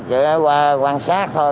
chỉ qua quan sát thôi